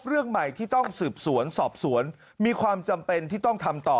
เรื่องใหม่ที่ต้องสืบสวนสอบสวนมีความจำเป็นที่ต้องทำต่อ